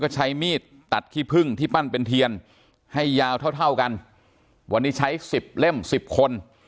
ใช้มีดตัดขี้พึ่งที่ปั้นเป็นเทียนให้ยาวเท่าเท่ากันวันนี้ใช้สิบเล่มสิบคน